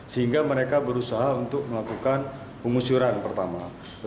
sehingga mereka berusaha untuk melakukan pengusuran pertama